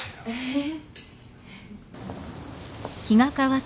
えっ。